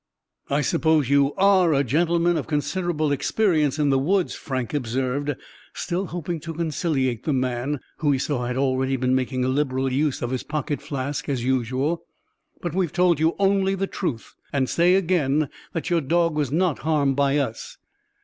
"I suppose you are a gentleman of considerable experience in the woods," Frank observed, still hoping to conciliate the man, who he saw had been making a liberal use of his pocket flask, as usual. "But we have told you only the truth, and say again that your dog was not harmed by us."